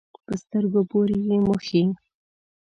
په سترګو پورې یې مښي.